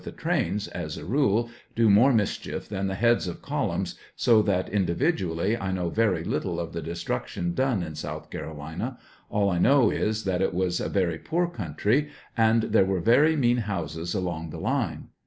the trains, as a rule, do more mis chief than the heads of columns, so that individually I know very little of the destruction done in South Caro lina ; all I know is, that it was a very poor country, and there were very mean houses along the line.